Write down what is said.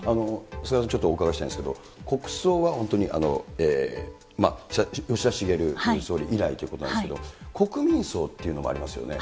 菅原さん、ちょっとお伺いしたいんですけれども、国葬は本当に吉田茂総理以来ということなんですけれども、国民葬というのもありますよね。